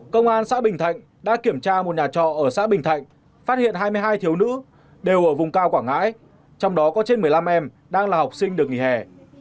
công an xã bình thạnh đã kiểm tra một nhà trọ ở xã bình thạnh phát hiện hai mươi hai thiếu nữ đều ở vùng cao quảng ngãi trong đó có trên một mươi năm em đang là học sinh được nghỉ hè